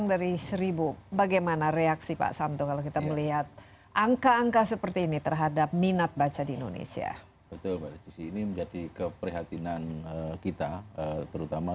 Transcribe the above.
di mana yang masih memprihatinkan